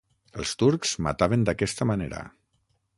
Els turcs mataven d'aquesta manera.